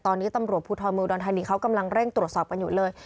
ตอนนี้ตำรวจภูทรเมืองอุดรธานีเขากำลังเร่งตรวจสอบกันอยู่เลย